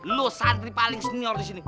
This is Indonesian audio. lu santri paling senior disini